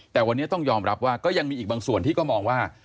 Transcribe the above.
แต่วันนี้ต้องยอมรับว่าก็ยังมีอีกบางส่วนที่ก็มองว่า